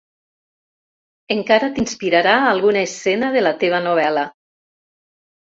Encara t'inspirarà alguna escena de la teva novel·la.